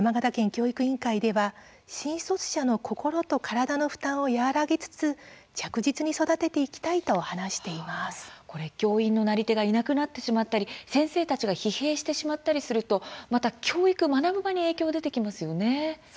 教育委員会では新卒者の心と体の負担を和らげつつ着実に育てていきたいと教員のなり手がいなくなってしまったり先生たちが疲弊してしまったりすると教育、学ぶ場に影響が出てきますね。